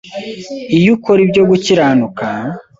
iyo ukora ibyo gukiranuka